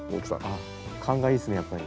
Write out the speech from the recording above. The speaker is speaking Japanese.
あっ勘がいいっすねやっぱり。